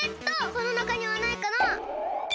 このなかにはないかな？